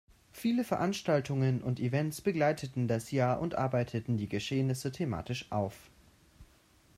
Viele Veranstaltungen und Events begleiteten das Jahr und arbeiteten die Geschehnisse thematisch auf.